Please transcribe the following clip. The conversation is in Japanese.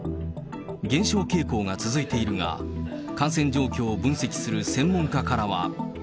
減少傾向が続いているが、感染状況を分析する専門家からは。